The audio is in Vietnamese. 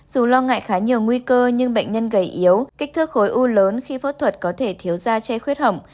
dù lo ngại khá nhiều nguy cơ nhưng bệnh nhân gầy yếu kích thước khối u lớn khi phẫu thuật có thể thiếu da che khuyết hỏng